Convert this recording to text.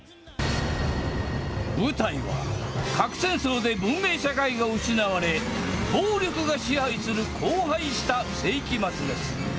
舞台は核戦争で文明社会が失われ、暴力が支配する荒廃した世紀末です。